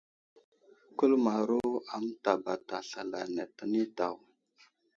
Kuləmaro a mətabata slal ane tə nay daw.